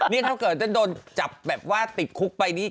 นี่ถ้าเกิดจะโดนจับแบบว่าติดคุกไปนี่